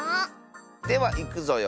ではいくぞよ。